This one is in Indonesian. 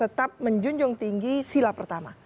tetap menjunjung tinggi sila pertama